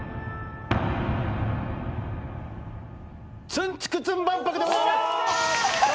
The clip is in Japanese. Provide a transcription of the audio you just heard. ツンツクツン万博でございます！